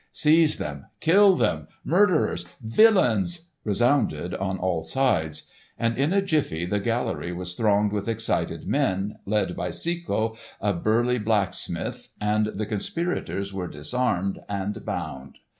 "Seize them! Kill them! Murderers! Villains!" resounded on all sides; and in a jiffy the gallery was thronged with excited men, led by Cecco a burly blacksmith, and the conspirators were disarmed and bound.